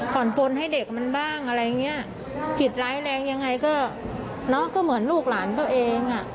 ปนให้เด็กมันบ้างอะไรอย่างเงี้ยผิดร้ายแรงยังไงก็เนอะก็เหมือนลูกหลานตัวเองอ่ะ